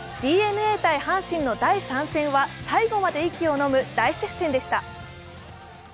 ＤｅＮＡ×阪神の第３戦は最後まで息をのむ大接戦でした。